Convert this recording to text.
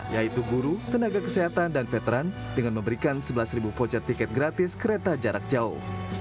yaitu guru tenaga kesehatan dan veteran dengan memberikan sebelas voucher tiket gratis kereta jarak jauh